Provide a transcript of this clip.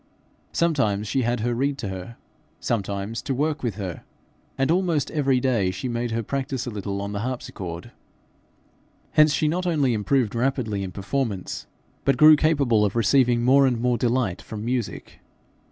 Sometimes she had her to read to her, sometimes to work with her, and almost every day she made her practise a little on the harpsichord. Hence she not only improved rapidly in performance, but grew capable of receiving more and more delight from music.